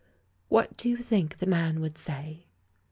— what do you think the man would say?"